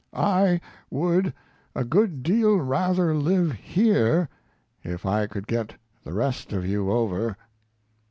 I would a good deal rather live here if I could get the rest of you over.